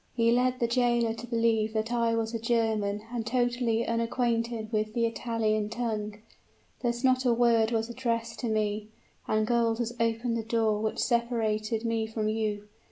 "He led the jailer to believe that I was a German, and totally unacquainted with the Italian tongue. Thus not a word was addressed to me; and gold has opened the door which separated me from you.